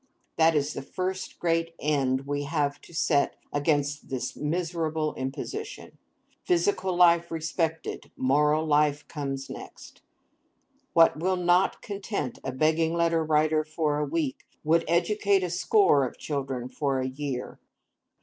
That is the first great end we have to set against this miserable imposition. Physical life respected, moral life comes next. What will not content a Begging Letter Writer for a week, would educate a score of children for a year.